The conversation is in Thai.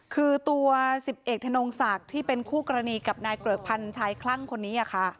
คือตัว๑๐เอกธนงศักดิ์ที่เป็นคู่กรณีกับนายเกริกพันธ์ชายคลั่งคนนี้ค่ะ